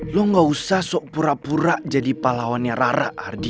lo gak usah sok pura pura jadi pahlawannya rara ardi